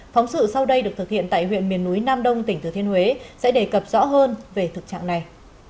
phóng sự sau đây được thực hiện tại huyện miền núi nam đông tỉnh thừa thiên huế sẽ đề cập rõ hơn về thực trạng này